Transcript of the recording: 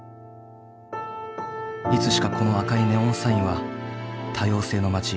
いつしかこの赤いネオンサインは多様性の街